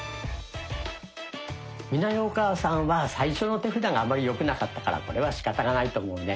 美奈代お母さんは最初の手札があまりよくなかったからこれはしかたがないと思うね。